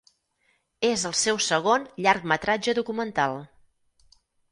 És el seu segon llargmetratge documental.